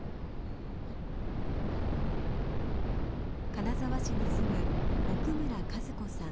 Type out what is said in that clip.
金沢市に住む奥村一公さん